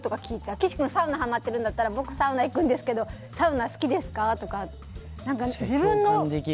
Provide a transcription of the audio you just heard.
岸君、サウナはまってるなら僕、サウナ行くんですけどサウナ好きですか？とか。